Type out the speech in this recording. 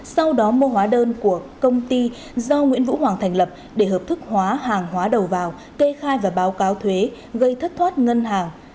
sau đó mua hóa đơn của công ty do nguyễn vũ hoàng thành lập để hợp thức hóa hàng hóa đầu vào kê khai và báo cáo thuế gây thất thoát ngân hàng